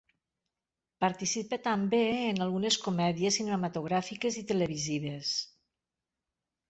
Participa també en algunes comèdies, cinematogràfiques i televisives.